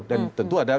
dan tentu ada